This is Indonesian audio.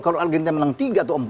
kalau argentina menang tiga atau empat